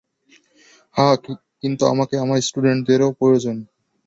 হ্যাঁ, কিন্তু আমাকে আমার স্টুডেন্টদেরও প্রয়োজন।